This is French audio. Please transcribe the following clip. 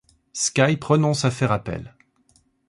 Skype renonce à faire appel.